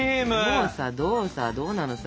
どうさどうさどうなのさ。